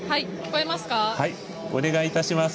お願いいたします。